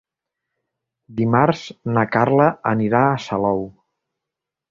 Dimarts na Carla anirà a Salou.